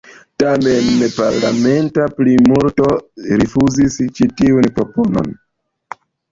Tamen, parlamenta plimulto rifuzis ĉi tiun proponon.